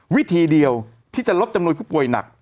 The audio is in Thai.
วิธีเดียวที่จะลดจำนวนผู้ป่วยหนัก